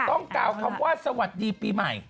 กล่าวคำว่าสวัสดีปีใหม่